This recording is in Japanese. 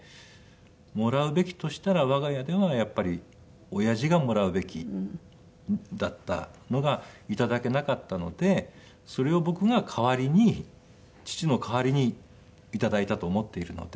もらうべきとしたら我が家ではやっぱり親父がもらうべきだったのが頂けなかったのでそれを僕が代わりに父の代わりに頂いたと思っているので。